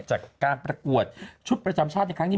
จากการประกวดชุดประจำชาติในครั้งนี้